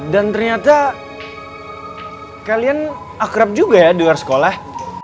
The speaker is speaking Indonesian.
dan ternyata kalian akrab juga ya di luar sekolah